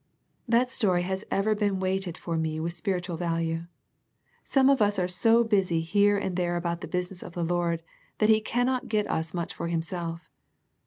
That story has ever been weighted for me with spiritual value. Some of us are so busy here and there about the business of the Lord that He cannot get us much for Himself.